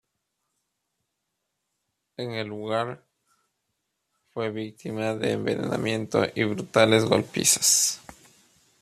En el lugar, fue víctima de envenenamiento y brutales golpizas.